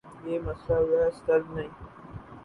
یہ مسئلہ بحث طلب نہیں۔